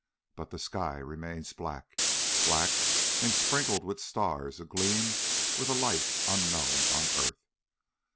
But the sky remains black black and sprinkled with stars agleam with a light unknown on earth.